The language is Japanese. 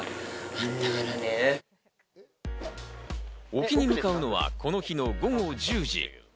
沖に向かうのはこの日の午後１０時。